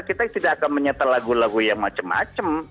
kita tidak akan menyetel lagu lagu yang macem macem